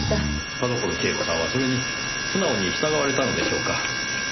田所千枝子さんはそれに素直に従われたのでしょうか？